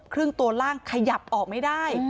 ครึ่งตัวล่างขยับออกไม่ได้